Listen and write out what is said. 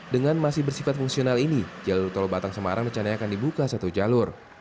dengan masih bersifat fungsional ini jalur tol batang semarang rencananya akan dibuka satu jalur